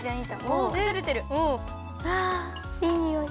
あいいにおい。